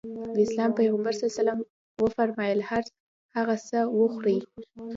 د اسلام پيغمبر ص وفرمايل هر هغه څه وخورې.